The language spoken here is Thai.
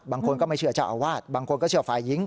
บางคนก็ไม่เชื่อเจ้าอาวาสบางคนก็เชื่อฝ่ายหญิง